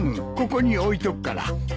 ここに置いとくから。